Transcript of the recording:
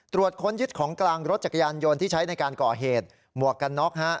ตรวจค้นยึดของกลางรถจักรยานยนต์ที่ใช้ในการก่อเหตุหมวกกันน็อก